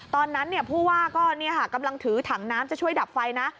ตอนนั้นผู้ว่าก็กำลังถือถังน้ำจะช่วยดับไฟนะ